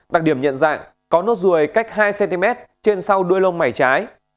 đặc điểm nhận dạng có nốt ruồi cách hai cm trên sau đuôi lông mày trái